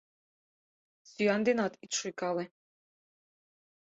Сӱан денат ит шуйкале.